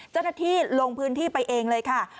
เจ้าหน้าที่ลงพื้นที่ไปเองเลยค่ะ